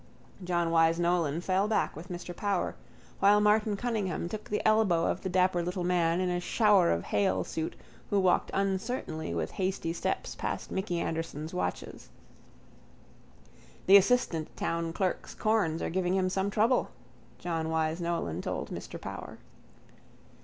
John Wyse Nolan fell back with Mr Power, while Martin Cunningham took the elbow of a dapper little man in a shower of hail suit, who walked uncertainly, with hasty steps past Micky Anderson's watches. —The assistant town clerk's corns are giving him some trouble, John Wyse Nolan told Mr Power.